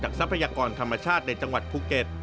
ทรัพยากรธรรมชาติในจังหวัดภูเก็ต